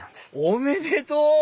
おめでとう！